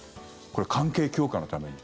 これ、関係強化のために。